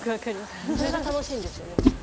それが楽しいんですよね。